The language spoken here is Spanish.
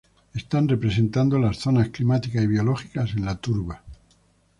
Están representando las zonas climáticas y biológicas en la turba.